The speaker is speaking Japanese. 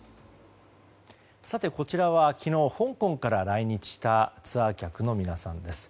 こちらは昨日香港から来日したツアー客の皆さんです。